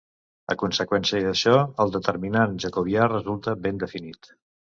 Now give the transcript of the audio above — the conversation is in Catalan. A conseqüència d'això el determinant jacobià resulta ben definit.